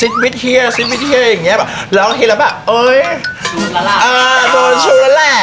โชว์แล้วแหละ